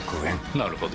なるほど。